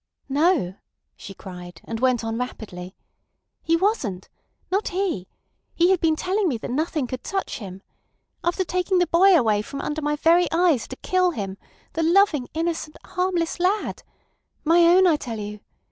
"No," she cried, and went on rapidly. "He wasn't. Not he. He had been telling me that nothing could touch him. After taking the boy away from under my very eyes to kill him—the loving, innocent, harmless lad. My own, I tell you.